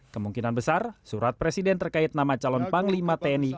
kemungkinan besar surat presiden terkait nama calon panglima tni